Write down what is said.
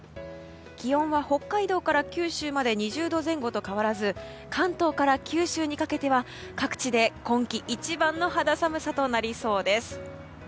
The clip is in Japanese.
気温は北海道から九州まで２０度前後と変わらず関東から九州にかけては各地で今季一番の肌寒さとなりそうです。